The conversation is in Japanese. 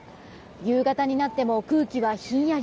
夕方になっても空気はひんやり。